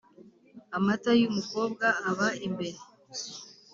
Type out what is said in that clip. Amata y’umukobwa aba imbere.